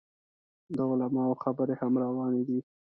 د علماو خبرې هم روانې دي.